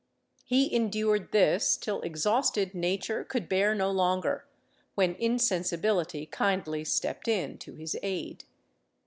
He endured this till exhausted nature could bear no longer, when insensibility kindly stepped in to his aid.